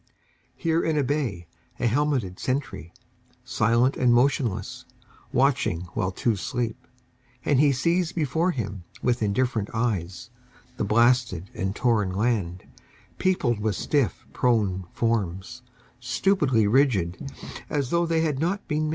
Here in a bay, a helmeted sentry Silent and motionless, watching while two sleep, And he sees before him With indifferent eyes the blasted and torn land Peopled with stiff prone forms, stupidly rigid, As tho' they had not been men.